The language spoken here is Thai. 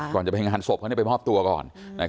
ก่อนจะไปงานศพเขาไปมอบตัวก่อน